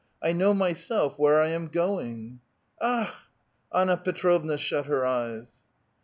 I know myself where I am going." '* Akh! " Anna Tetrovna shut her eyes.